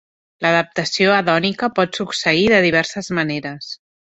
L'adaptació hedònica pot succeir de diverses maneres.